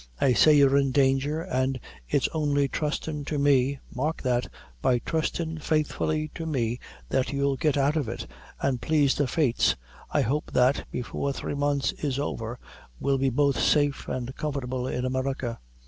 I say you're in danger, an' it's only trustin' to me mark that by trustin' faithfully to me that you'll get out of it; an', plaise the fates, I hope that, before three mouths is over, we'll be both safe an' comfortable in America.